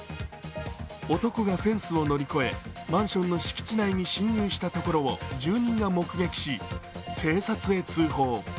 男がフェンスを乗り越え、マンションの敷地内に侵入したところを住人が目撃し、警察へ通報。